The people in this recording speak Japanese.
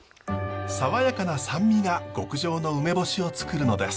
爽やかな酸味が極上の梅干しを作るのです。